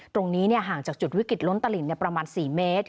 ห่างจากจุดวิกฤตล้นตลิ่งประมาณ๔เมตร